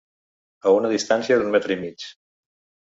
A una distància d’un metre i mig.